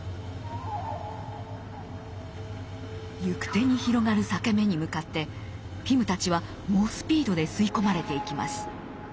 行く手に広がる裂け目に向かってピムたちは猛スピードで吸い込まれていきます。